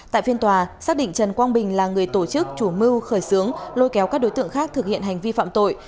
tại phiên tòa xác định trần quang bình là người tổ chức chủ mưu khởi xướng lôi kéo các đối tượng khác thực hiện hành vi phạm tội